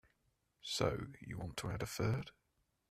So you want to add a third?